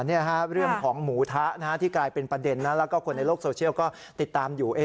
เรื่องของหมูทะที่กลายเป็นประเด็นแล้วก็คนในโลกโซเชียลก็ติดตามอยู่